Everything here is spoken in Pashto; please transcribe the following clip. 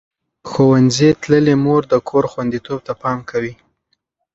ښوونځې تللې مور د کور خوندیتوب ته پام کوي.